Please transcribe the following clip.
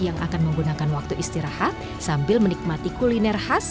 yang akan menggunakan waktu istirahat sambil menikmati kuliner khas